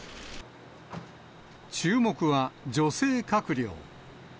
注目は女性閣僚。